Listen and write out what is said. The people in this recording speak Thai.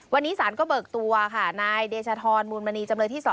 วันนี้สารก็เบิกตัวค่ะนายเดชธรมูลมณีจำเลยที่๒